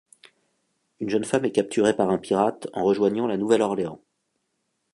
Une jeune femme est capturée par un pirate en rejoignant La Nouvelle-Orléans.